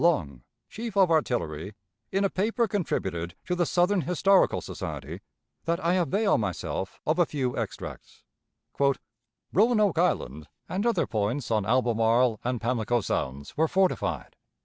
Long, chief of artillery, in a paper contributed to the Southern Historical Society, that I avail myself of a few extracts: "Roanoke Island and other points on Albemarle and Pamlico Sounds were fortified.